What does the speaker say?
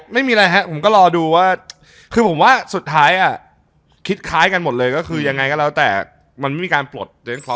ไม่มีอะไรครับผมก็รอดูว่าคือผมว่าสุดท้ายคิดคล้ายกันหมดเลยก็คือยังไงก็แล้วแต่มันไม่มีการปลด